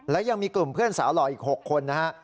และยังมีกลุ่มเพื่อนสาวหล่ออีก๖คนนะฮะ